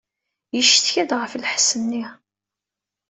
Yeccetka-d ɣef lḥess-nni.